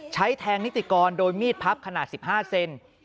ใช้แทงนิติกรโดยมีดพับขนาด๑๕เซน